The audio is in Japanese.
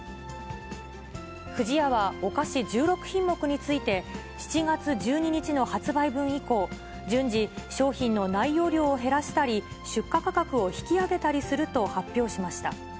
不二家はお菓子１６品目について、７月１２日の発売分以降、順次、商品の内容量を減らしたり、出荷価格を引き上げたりすると発表しました。